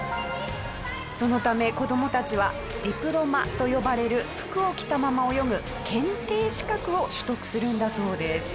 そのため子どもたちはディプロマと呼ばれる服を着たまま泳ぐ検定資格を取得するんだそうです。